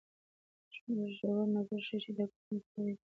ژور نظر ښيي چې دا کوچنۍ سیارې دي.